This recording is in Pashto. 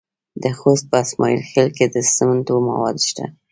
د خوست په اسماعیل خیل کې د سمنټو مواد شته.